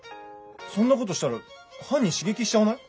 そんなことしたら犯人刺激しちゃわない？